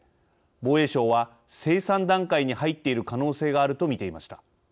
防衛省は生産段階に入っている可能性があると見ていました。